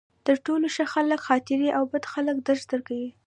تر ټولو ښه خلک خاطرې او بد خلک درس درکوي.